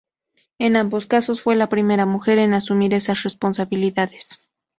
En ambos casos, fue la primera mujer en asumir esas responsabilidades.